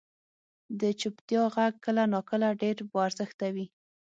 • د چپتیا ږغ کله ناکله ډېر با ارزښته وي.